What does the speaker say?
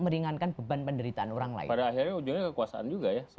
meringankan beban penderitaan orang lain pada akhirnya ujungnya kekuasaan juga ya